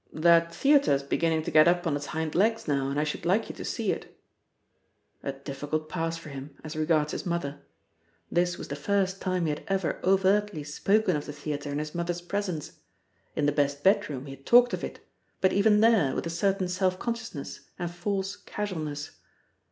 "That theatre's beginning to get up on its hind legs now, and I should like you to see it." A difficult pass for him, as regards his mother! This was the first time he had ever overtly spoken of the theatre in his mother's presence. In the best bedroom he had talked of it, but even there with a certain self consciousness and false casualness.